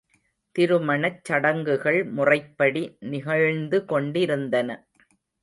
திருமணச் சடங்குகள் முறைப்படி நிகழ்ந்து கொண்டிருந்தன.